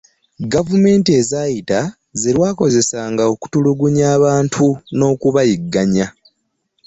Gavumenti ezaayita ze lwakozesanga okutulugunya abantu n'okubayigganya.